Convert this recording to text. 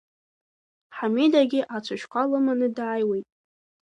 Ҳамида ацәашьқәа лыманы дааиуеит.